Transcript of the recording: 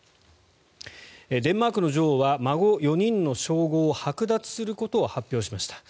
デンマークの女王は孫４人の称号をはく奪することを発表しました。